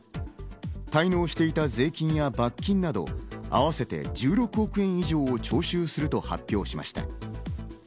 滞納していた税金や罰金など、合わせて１６億円以上を徴収すると発表しました。